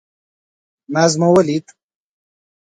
ناز مو ولید.